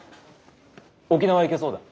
沖縄行けそうだ。